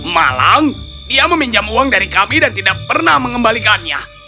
malang dia meminjam uang dari kami dan tidak pernah mengembalikannya